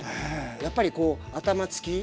やっぱりこう頭つき。